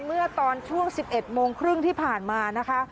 เมื่อตอนช่วง๑๑โมงครึ่งที่ผ่านมานะคะ